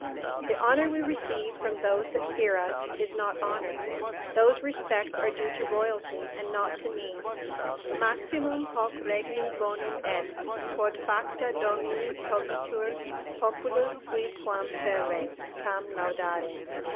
The honour we receive from those that fear us is not honour; those respects are due to royalty and not to me: "Maximum hoc regni bonum est Quod facta domini cogitur populus sui Quam ferre, tam laudare."